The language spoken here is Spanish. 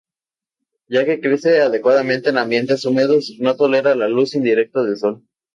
Ya que crece adecuadamente en ambientes húmedos, no tolera la luz directa del sol.